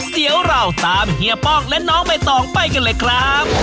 เดี๋ยวเราตามเฮียป้องและน้องใบตองไปกันเลยครับ